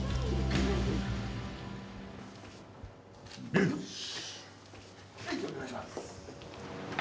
よし！